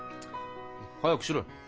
早くしろよ。